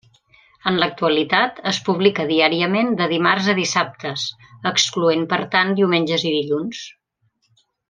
En l'actualitat, es publica diàriament de dimarts a dissabte, excloent per tant diumenges i dilluns.